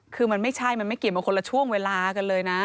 คือมันไม่ใช่มันไม่เกี่ยวมาคนละช่วงเวลากันเลยนะ